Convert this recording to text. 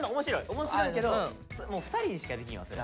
面白いけど２人にしかできんわそれ。